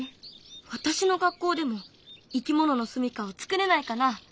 私の学校でもいきもののすみかをつくれないかな？